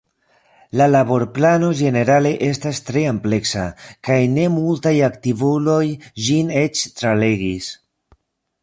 La laborplano ĝenerale estas tre ampleksa, kaj ne multaj aktivuloj ĝin eĉ tralegis.